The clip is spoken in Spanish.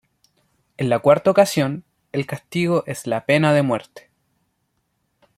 En la cuarta ocasión, el castigo es la pena de muerte.